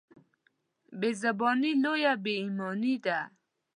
بېزباني لويه بېايماني ده.